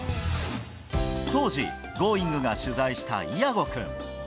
当時、Ｇｏｉｎｇ！が取材したイアゴ君。